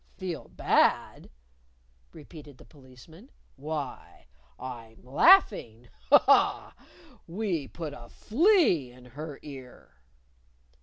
"Feel bad!" repeated the Policeman. "Why, I'm laughing. Ha! Ha! We put a flea in her ear!"